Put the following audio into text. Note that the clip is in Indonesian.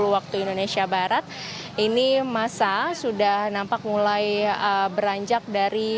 waktu indonesia barat ini masa sudah nampak mulai beranjak dari